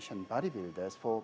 pembangunan tubuh indonesia